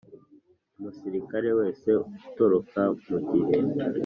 Umusirikare wese utoroka mu gihe